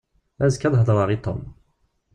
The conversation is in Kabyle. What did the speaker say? Azekka ad hedreɣ i Tom.